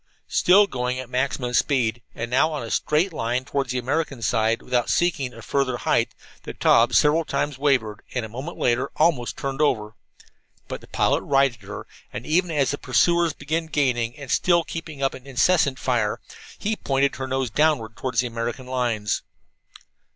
Still going at maximum speed, and now on a straight line toward the American side, without seeking a further height, the Taube several times wavered, and, a moment later, almost turned over. But the pilot righted her, and even as the pursuers began gaining, and still kept up an incessant fire, he pointed her nose downward toward the American lines.